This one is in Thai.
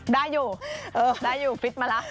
ได้อยู่ดาอยู่ฟิตมาละ